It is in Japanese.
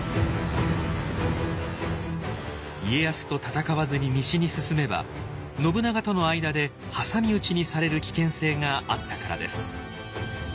家康と戦わずに西に進めば信長との間で挟み撃ちにされる危険性があったからです。